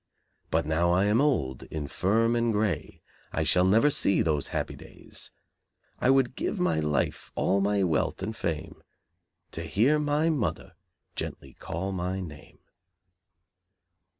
But now I am old, infirm and grey I shall never see those happy days; I would give my life, all my wealth, and fame To hear my mother gently call my name."